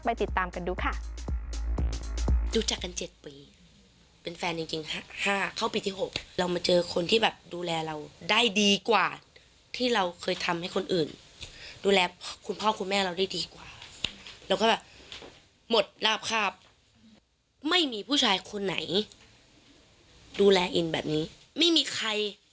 ติดตามกันดูค่ะ